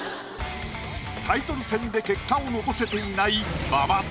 タイトル戦で結果を残せていない馬場。